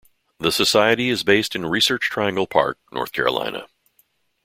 The Society is based in Research Triangle Park, North Carolina.